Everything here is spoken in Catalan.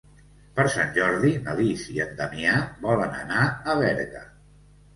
Per Sant Jordi na Lis i en Damià volen anar a Berga.